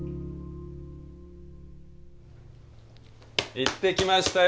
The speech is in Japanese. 行ってきましたよ。